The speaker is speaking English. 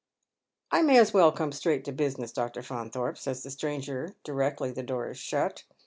*' I may as well come straight to business, Dr. Faunthorpe," eays the stranger directly the door is sliut.